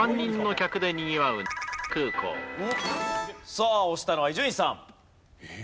さあ押したのは伊集院さん。